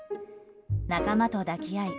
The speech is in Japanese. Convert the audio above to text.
仲間と抱き合い